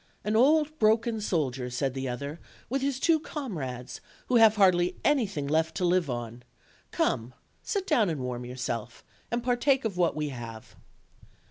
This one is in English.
"An old broken soldier," said the other, "with his two comrades, who have hardly anything left to live on; come, sit down and warm yourself, and partake of what we have."